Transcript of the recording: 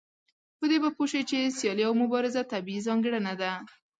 په دې به پوه شئ چې سيالي او مبارزه طبيعي ځانګړنه ده.